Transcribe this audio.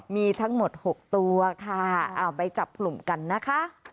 มีทั้งหมด๖ตัวค่ะเอาไปจับกลุ่มกันนะคะ